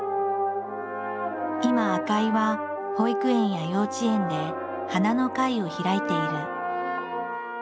今赤井は保育園や幼稚園で花の会を開いている。